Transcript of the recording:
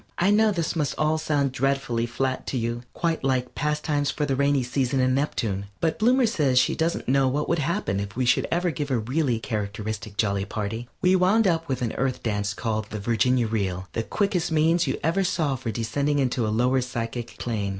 I know this must all sound dreadfully flat to you, quite like "Pastimes for the Rainy Season in Neptune," but Bloomer says she doesn't know what would happen if we should ever give a really characteristic jolly party. We wound up with an Earth dance called the Virginia Reel, the quickest means you ever saw for descending to a lower psychic plane.